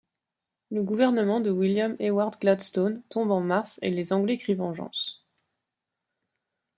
Le gouvernement de William Ewart Gladstone tombe en mars et les Anglais crient vengeance.